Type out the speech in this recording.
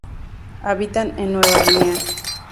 Habitan en Nueva Guinea.